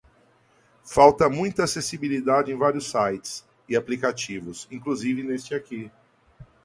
Falta muita acessibilidade em vários sites e aplicativos, inclusive neste aqui.